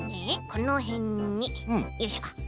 このへんによいしょ。